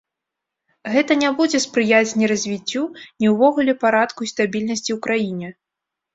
Гэта не будзе спрыяць ні развіццю, ні ўвогуле парадку і стабільнасці ў краіне.